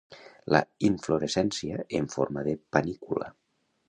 La inflorescència en forma de panícula.